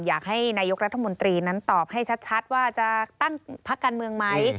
อยากให้นายกรัฐมนตรีนั้นตอบให้ชัดว่าจะตั้งพักการเมืองไหม